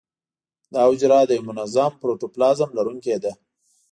دا حجره د یو منظم پروتوپلازم لرونکې ده.